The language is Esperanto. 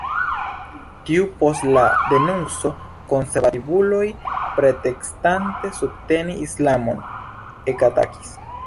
Tuj post la denunco konservativuloj, pretekstante subteni islamon, ekatakis.